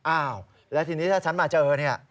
อ้าวแล้วทีนี้ถ้าฉันมาเจอเนี่ย